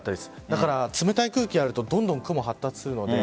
冷たい空気があるとどんどん雲が発達するので。